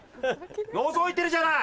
のぞいてるじゃない！